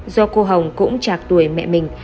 do cô hồng cũng chạc tuổi mẹ mình